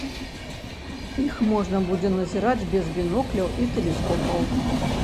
Іх можна будзе назіраць без бінокляў і тэлескопаў.